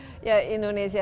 anur gewang cnn indonesia